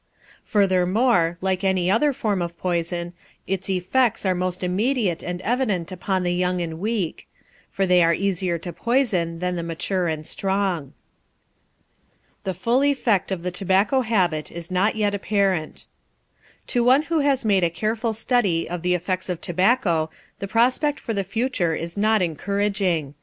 Furthermore, like any other form of poison, its effects are most immediate and evident upon the young and weak; for they are easier to poison than the mature and strong. THE FULL EFFECT OF THE TOBACCO HABIT IS NOT YET APPARENT To one who has made a careful study of the effects of tobacco the prospect for the future is not encouraging.